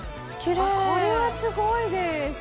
これはすごいです。